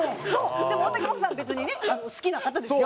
でも大竹まことさん別にね好きな方ですよ。